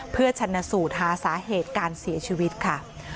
เพื่อชนะสูตรหาสาเหตุการเสียชีวิตค่ะ